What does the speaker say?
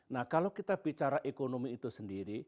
nah kalau kita bicara ekonomi itu sendiri